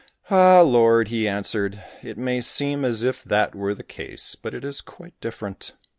"Ah! Lord," he answered, "it may seem as if that were the case, but it is quite different.